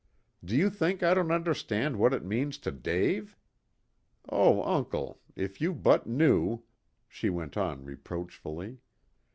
Do you think I don't understand what it means to Dave? Oh, uncle, if you but knew," she went on reproachfully.